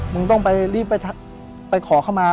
มึงต้องไปรีบไปขอเข้ามา